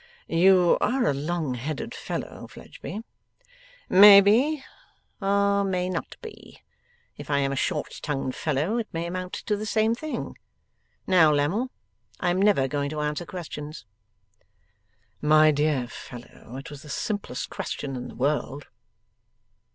'You are a long headed fellow, Fledgeby.' 'May be, or may not be. If I am a short tongued fellow, it may amount to the same thing. Now, Lammle, I am never going to answer questions.' 'My dear fellow, it was the simplest question in the world.